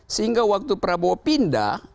sehingga waktu prabowo pindah